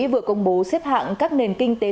vừa công bố xếp hạng các nền kinh tế